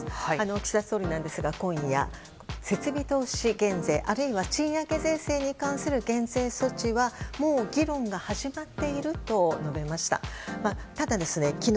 岸田総理ですが今夜、設備投資減税あるいは賃上げ税制に関する減税措置はもう議論が始まっていると述べました。